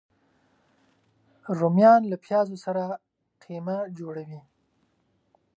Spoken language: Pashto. رومیان له پیازو سره قیمه جوړه وي